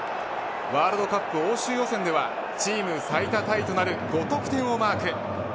ワールドカップ欧州予選ではチーム最多タイとなる５得点をマーク。